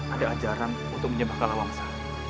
ada ajaran untuk menyembah kala waksa